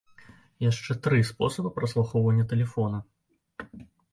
Яшчэ тры спосабы праслухоўвання тэлефона.